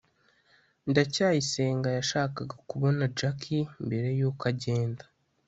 ndacyayisenga yashakaga kubona jaki mbere yuko agenda